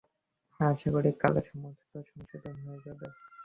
আশা করি কালে সমস্ত সংশোধন হয়ে যাবে।